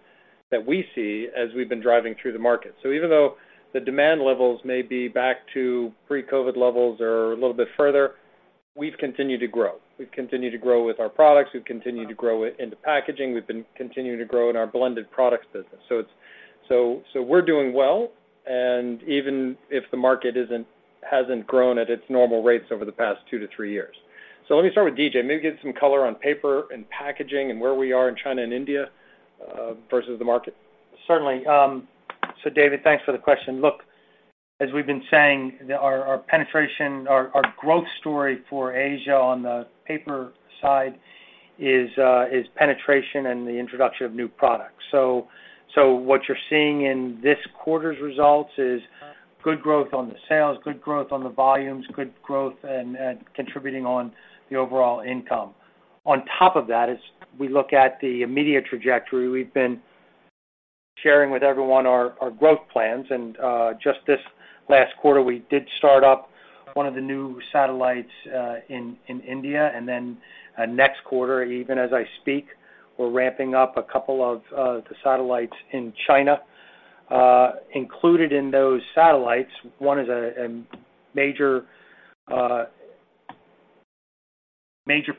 that we see as we've been driving through the market. So even though the demand levels may be back to pre-COVID levels or a little bit further, we've continued to grow. We've continued to grow with our products, we've continued to grow it into packaging, we've been continuing to grow in our blended products business. So it's so we're doing well, and even if the market isn't hasn't grown at its normal rates over the past 2-3 years. So let me start with D.J. Maybe give some color on paper and packaging and where we are in China and India versus the market. Certainly. So David, thanks for the question. Look, as we've been saying, our penetration, our growth story for Asia on the paper side is penetration and the introduction of new products. So what you're seeing in this quarter's results is good growth on the sales, good growth on the volumes, good growth and contributing on the overall income. On top of that, as we look at the immediate trajectory, we've been sharing with everyone our growth plans, and just this last quarter, we did start up one of the new satellites in India. And then, next quarter, even as I speak, we're ramping up a couple of the satellites in China. Included in those satellites, one is a major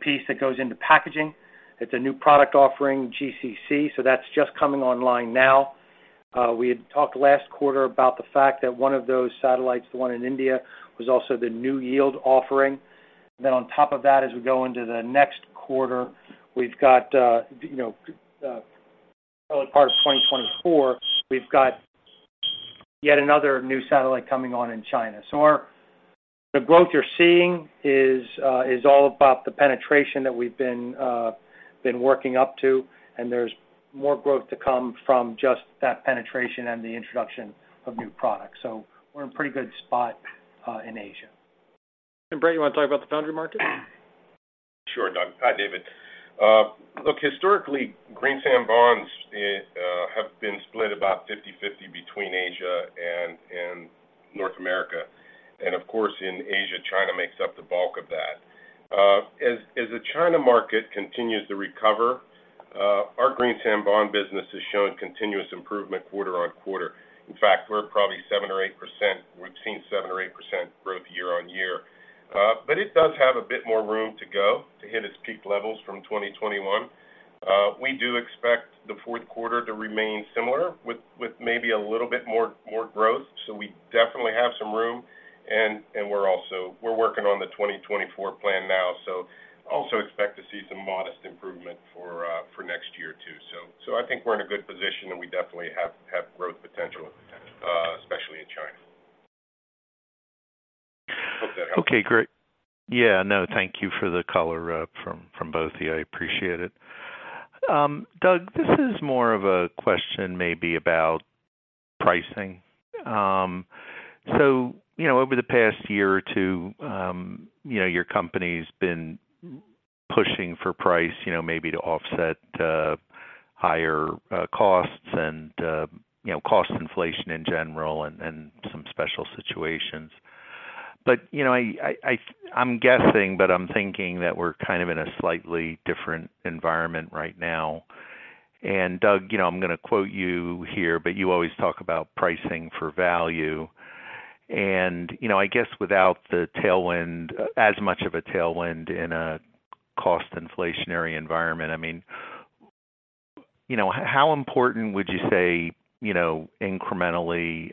piece that goes into packaging. It's a new product offering, GCC, so that's just coming online now. We had talked last quarter about the fact that one of those satellites, the one in India, was also the NewYield offering. Then on top of that, as we go into the next quarter, we've got part of 2024, we've got yet another new satellite coming on in China. The growth you're seeing is all about the penetration that we've been working up to, and there's more growth to come from just that penetration and the introduction of new products. We're in a pretty good spot in Asia. Brett, you wanna talk about the foundry market? Sure, Doug. Hi, David. Look, historically, green sand bonds have been split about 50/50 between Asia and North America. And of course, in Asia, China makes up the bulk of that. As the China market continues to recover, our green sand bond business has shown continuous improvement quarter-on-quarter. In fact, we're probably 7% or 8%. We've seen 7%-8% growth year-on-year. But it does have a bit more room to go to hit its peak levels from 2021. We do expect the fourth quarter to remain similar, with maybe a little bit more growth. So we definitely have some room, and we're also working on the 2024 plan now, so also expect to see some modest improvement for next year, too. So, I think we're in a good position, and we definitely have growth potential, especially in China. Hope that helps. Okay, great. Yeah, no, thank you for the color from both of you. I appreciate it. Doug, this is more of a question maybe about pricing. So you know, over the past year or two your company's been pushing for price maybe to offset higher costs and you know, cost inflation in general and some special situations. But you know, I'm guessing, but I'm thinking that we're kind of in a slightly different environment right now. And doug I'm gonna quote you here, but you always talk about pricing for value. And you know, I guess without the tailwind, as much of a tailwind in a cost inflationary environment, I mean how important would you say incrementally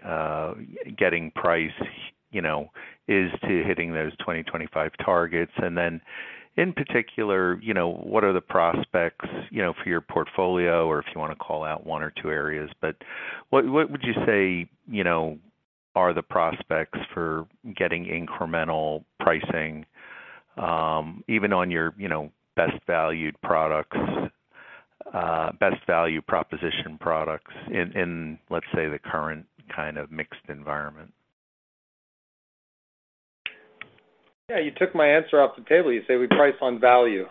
getting price is to hitting those 2025 targets? And then, in particular what are the prospects for your portfolio, or if you want to call out one or two areas, but what would you say are the prospects for getting incremental pricing, even on your best valued products, best value proposition products in, let's say, the current kind of mixed environment? Yeah, you took my answer off the table. You say we price on value.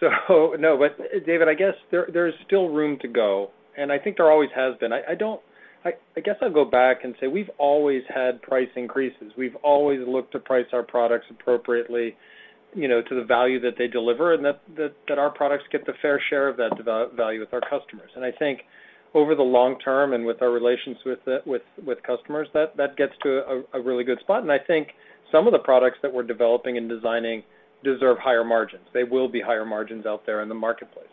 So no, but David, I guess there, there's still room to go, and I think there always has been. I don't—I guess I'll go back and say we've always had price increases. We've always looked to price our products appropriately to the value that they deliver, and that our products get the fair share of that value with our customers. And I think over the long term, and with our relations with customers, that gets to a really good spot. And I think some of the products that we're developing and designing deserve higher margins. They will be higher margins out there in the marketplace.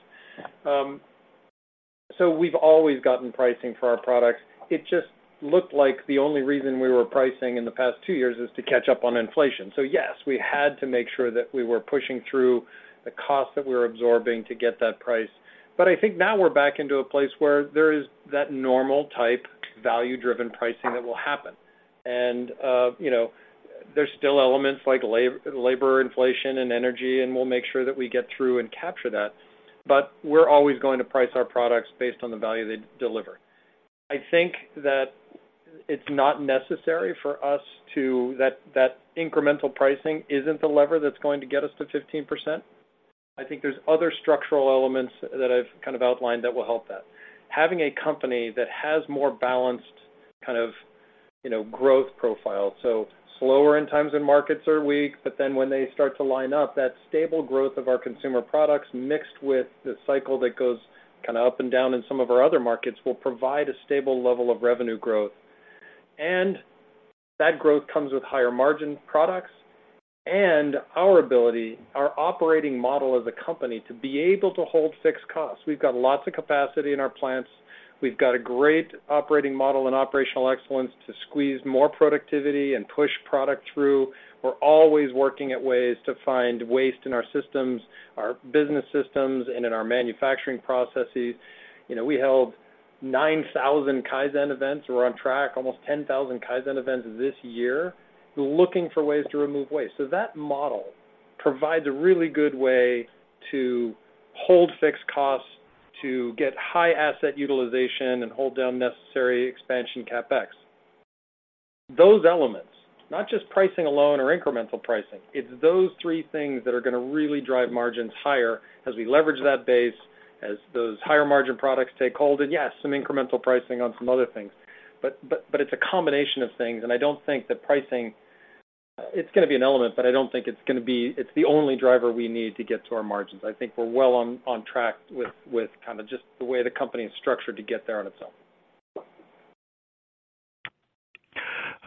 So we've always gotten pricing for our products. It just looked like the only reason we were pricing in the past two years is to catch up on inflation. So yes, we had to make sure that we were pushing through the cost that we were absorbing to get that price. But I think now we're back into a place where there is that normal type, value-driven pricing that will happen. and there's still elements like labor inflation and energy, and we'll make sure that we get through and capture that, but we're always going to price our products based on the value they deliver. I think that it's not necessary for us to... That, that incremental pricing isn't the lever that's going to get us to 15%. I think there's other structural elements that I've kind of outlined that will help that. Having a company that has more balanced, kind of growth profile, so slower in times when markets are weak, but then when they start to line up, that stable growth of our consumer products, mixed with the cycle that goes kinda up and down in some of our other markets, will provide a stable level of revenue growth... And that growth comes with higher margin products and our ability, our operating model as a company, to be able to hold fixed costs. We've got lots of capacity in our plants. We've got a great operating model and operational excellence to squeeze more productivity and push product through. We're always working at ways to find waste in our systems, our business systems, and in our manufacturing processes. You know, we held 9,000 Kaizen events. We're on track, almost 10,000 Kaizen events this year, looking for ways to remove waste. So that model provides a really good way to hold fixed costs, to get high asset utilization and hold down necessary expansion CapEx. Those elements, not just pricing alone or incremental pricing, it's those three things that are going to really drive margins higher as we leverage that base, as those higher margin products take hold, and yes, some incremental pricing on some other things. But, but, but it's a combination of things, and I don't think that pricing, it's going to be an element, but I don't think it's going to be - it's the only driver we need to get to our margins. I think we're well on, on track with, with kind of just the way the company is structured to get there on its own.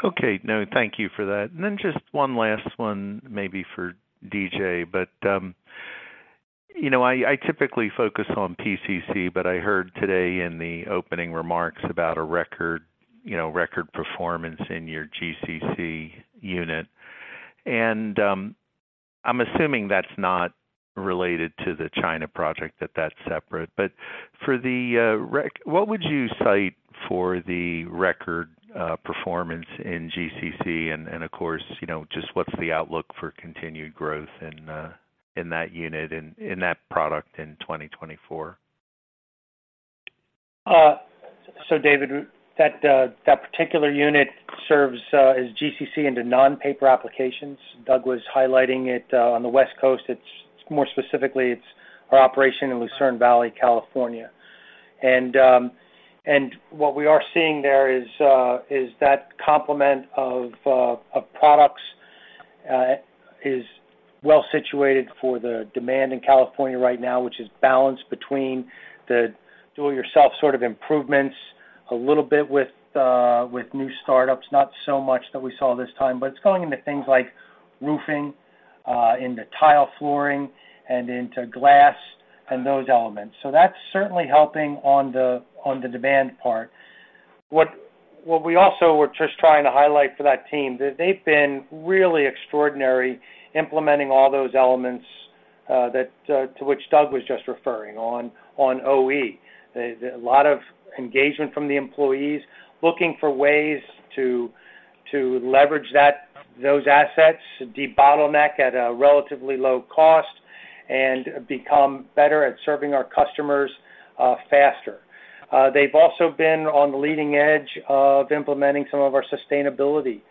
Okay, no, thank you for that. And then just one last one, maybe for D.J., but I typically focus on PCC, but I heard today in the opening remarks about a record record performance in your GCC unit. And, I'm assuming that's not related to the China project, that that's separate. But for the, what would you cite for the record performance in GCC? And, of course just what's the outlook for continued growth in that unit, in that product in 2024? So David, that particular unit serves as GCC into non-paper applications. Doug was highlighting it on the West Coast. It's more specifically, it's our operation in Lucerne Valley, California. And what we are seeing there is that complement of products is well situated for the demand in California right now, which is balanced between the do-it-yourself sort of improvements, a little bit with new startups, not so much that we saw this time, but it's going into things like roofing, into tile flooring and into glass and those elements. So that's certainly helping on the demand part. What we also were just trying to highlight for that team, that they've been really extraordinary implementing all those elements that, to which Doug was just referring on OE. There's a lot of engagement from the employees looking for ways to leverage those assets, debottleneck at a relatively low cost and become better at serving our customers faster. They've also been on the leading edge of implementing some of our sustainability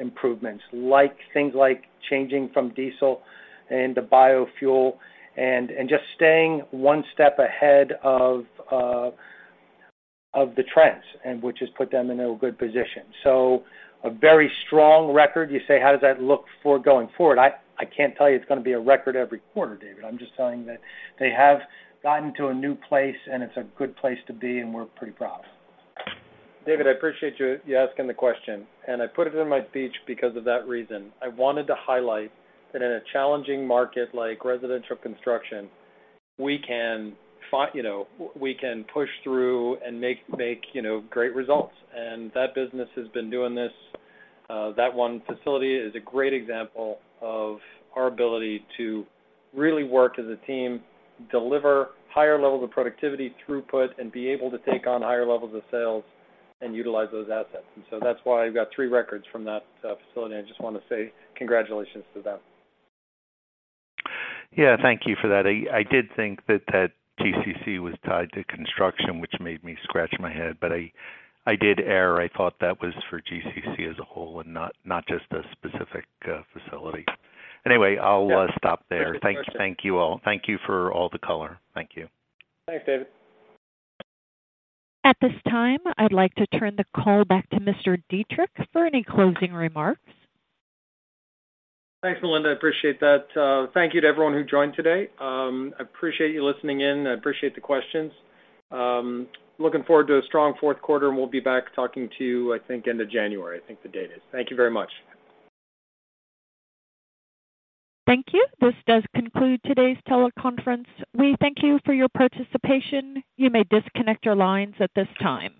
improvements, like things like changing from diesel into biofuel and just staying one step ahead of the trends, and which has put them in a good position. So a very strong record. You say, "How does that look for going forward?" I can't tell you it's going to be a record every quarter, David. I'm just telling you that they have gotten to a new place, and it's a good place to be, and we're pretty proud. David, I appreciate you asking the question, and I put it in my speech because of that reason. I wanted to highlight that in a challenging market like residential construction, we can push through and make great results. And that business has been doing this, that one facility is a great example of our ability to really work as a team, deliver higher levels of productivity, throughput, and be able to take on higher levels of sales and utilize those assets. And so that's why I've got three records from that facility, and I just want to say congratulations to them. Yeah. Thank you for that. I, I did think that that GCC was tied to construction, which made me scratch my head, but I, I did err. I thought that was for GCC as a whole and not, not just a specific facility. Anyway, I'll stop there. Yeah. Thank you. Thank you all. Thank you for all the color. Thank you. Thanks, David. At this time, I'd like to turn the call back to Mr. Dietrich for any closing remarks. Thanks, Melinda. I appreciate that. Thank you to everyone who joined today. I appreciate you listening in, and I appreciate the questions. Looking forward to a strong fourth quarter, and we'll be back talking to you, I think, end of January, I think the date is. Thank you very much. Thank you. This does conclude today's teleconference. We thank you for your participation. You may disconnect your lines at this time.